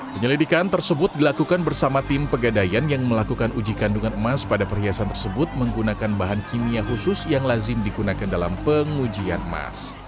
penyelidikan tersebut dilakukan bersama tim pegadaian yang melakukan uji kandungan emas pada perhiasan tersebut menggunakan bahan kimia khusus yang lazim digunakan dalam pengujian emas